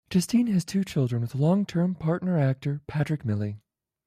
Justine has two children with long-term partner actor Patrick Mille.